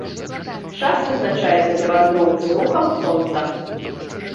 Час вызначаецца для вандроўцы рухам сонца.